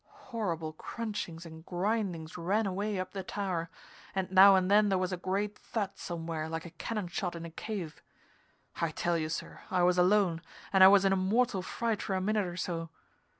Horrible crunchings and grindings ran away up the tower, and now and then there was a great thud somewhere, like a cannon shot in a cave. I tell you, sir, I was alone, and I was in a mortal fright for a minute or so.